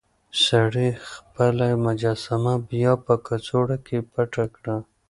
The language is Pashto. سړي خپله مجسمه بيا په کڅوړه کې پټه کړه.